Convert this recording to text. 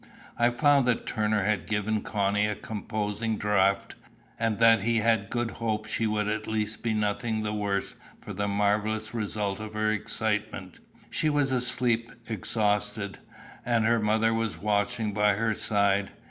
I found that Turner had given Connie a composing draught, and that he had good hopes she would at least be nothing the worse for the marvellous result of her excitement. She was asleep exhausted, and her mother was watching by her side.